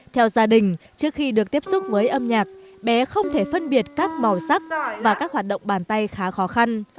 theo gia đình trước khi được tiếp xúc với âm nhạc bé không thể phân biệt các màu sắc và các hoạt động bàn tay khá khó khăn